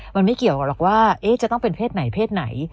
มันไม่เกี่ยวกับหรอกว่าจะต้องเป็นเพศไหนเพศไหน